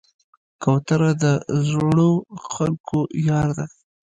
کوتره د زړو خلکو یار ده.